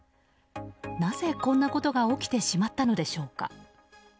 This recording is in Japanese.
なぜ、こんなことが起きてしまったのでしょうか。